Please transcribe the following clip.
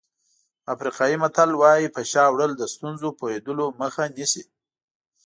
افریقایي متل وایي په شا وړل د ستونزو پوهېدلو مخه نیسي.